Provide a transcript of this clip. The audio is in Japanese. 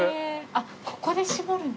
あっここで絞るんだ。